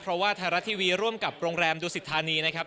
เพราะว่าไทยรัฐทีวีร่วมกับโรงแรมดูสิทธานีนะครับ